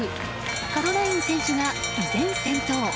カロライン選手が依然、先頭。